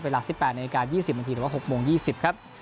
เวลา๑๘นาที๒๐นาทีหรือว่า๖โมง๒๐ครับ